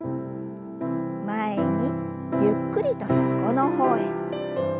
前にゆっくりと横の方へ。